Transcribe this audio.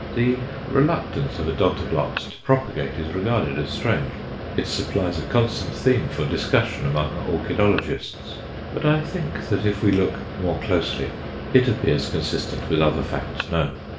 The reluctance of Odontoglots to propagate is regarded as strange; it supplies a constant theme for discussion among orchidologists. But I think that if we look more closely it appears consistent with other facts known.